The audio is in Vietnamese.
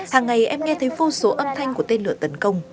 hàng ngày em nghe thấy vô số âm thanh của tên lửa tấn công